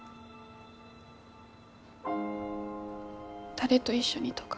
誰と一緒にとか。